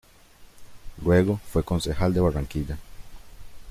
Luego fue concejal de Barranquilla.